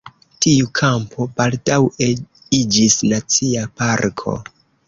Tiu kampo baldaŭe iĝis Nacia parko.